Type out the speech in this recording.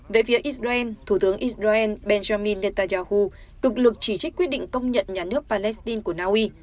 về phía israel thủ tướng israel benjamin netanyahu tục cực lực chỉ trích quyết định công nhận nhà nước palestine của naui